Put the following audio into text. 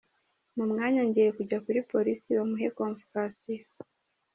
Mu mwanya ngiye kujya kuri Polisi bamuhe convocation.